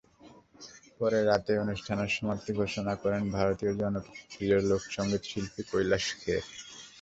পরে রাতে অনুষ্ঠানের সমাপ্তি ঘোষণা করেন ভারতের জনপ্রিয় লোকসংগীতশিল্পী কৈলাস খের।